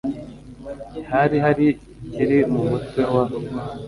Hari hari kiri mu mutwe wa